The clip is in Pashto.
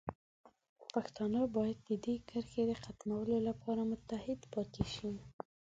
پښتانه باید د دې کرښې د ختمولو لپاره متحد پاتې شي.